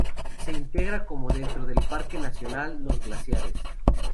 Se integra dentro del Parque Nacional Los Glaciares.